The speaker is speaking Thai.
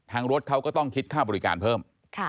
รถเขาก็ต้องคิดค่าบริการเพิ่ม